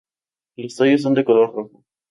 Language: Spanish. Los tallos son de color rojo.